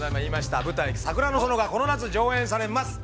◆舞台「桜の園」が、この夏、上演されます。